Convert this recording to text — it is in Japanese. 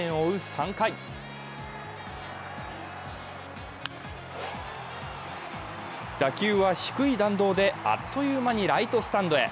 ３回打球は低い弾道であっという間にライトスタンドへ。